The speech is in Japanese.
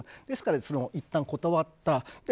ですから、いったん断った。